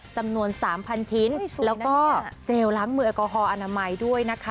จำนวน๓๐๐ชิ้นแล้วก็เจลล้างมือแอลกอฮอลอนามัยด้วยนะคะ